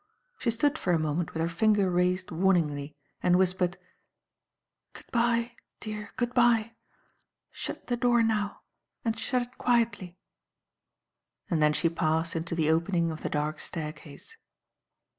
She stood for a moment with her finger raised warningly and whispered: "Good bye, dear, good bye! Shut the door now and shut it quietly," and then she passed into the opening of the dark staircase.